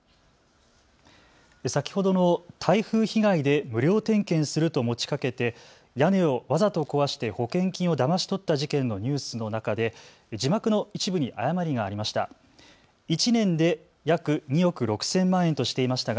先ほどの台風被害で無料点検すると持ちかけて屋根をわざと壊して保険金をだまし取った事件のニュースの中で字幕の一部に誤りがありました。